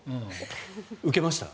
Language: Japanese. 受けました？